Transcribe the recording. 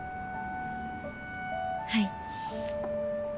はい。